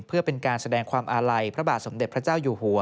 เพื่อเป็นการแสดงความอาลัยพระบาทสมเด็จพระเจ้าอยู่หัว